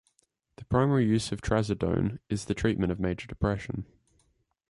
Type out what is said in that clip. The primary use of trazodone is the treatment of major depression.